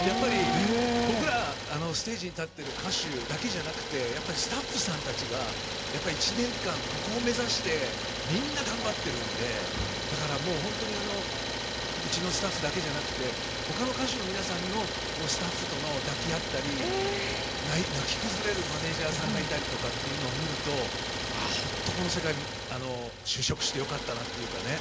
僕らステージに立ってる歌手だけじゃなくてやっぱりスタッフさんたちが１年間、ここを目指してみんな頑張ってるのでだから、本当にうちのスタッフだけじゃなくて他の歌手の皆さんのスタッフとも抱き合ったり泣き崩れるマネージャーさんがいたりっていうのを見ると本当、この世界就職してよかったなっていうかね。